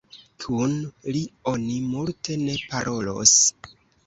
Kun li oni multe ne parolos!